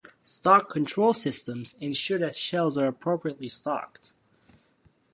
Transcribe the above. Stock control systems ensure that shelves are appropriately stocked.